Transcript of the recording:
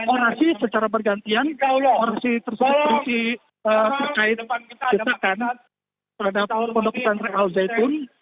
orasi secara bergantian orasi tersusunsi terkait desakan pada pondok pesantren al zaitun